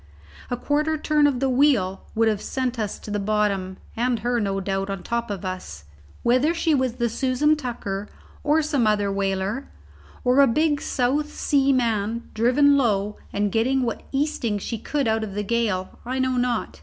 A quarter turn of the wheel would have sent us to the bottom, and her, no doubt, on top of us. Whether she was the Susan Tucker, or some other whaler, or a big South Sea man driven low and getting what easting she could out of the gale, I know not.